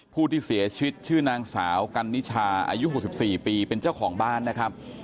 ผู้ที่เสียชีวิตชื่อนางสาวกันนิชาอายุ๖๔ปีเป็นเจ้าของบ้านนะครับ